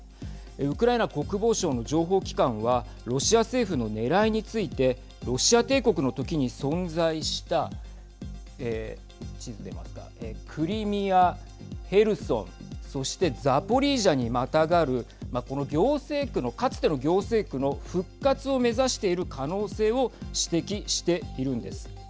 ウクライナ国防省の情報機関はロシア政府のねらいについてロシア帝国のときに存在したクリミア、ヘルソンそして、ザポリージャにまたがるかつての行政区の復活を目指している可能性を指摘しているんです。